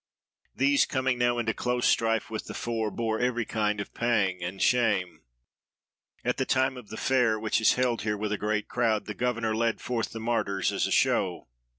These, coming now into close strife with the foe, bore every kind of pang and shame. At the time of the fair which is held here with a great crowd, the governor led forth the Martyrs as a show.